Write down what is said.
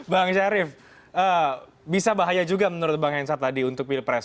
bang syarif bisa bahaya juga menurut bang hensat tadi untuk pilpres